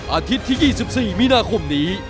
อาทิตย์ที่๒๔มีนาคมนี้